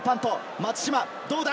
松島どうだ？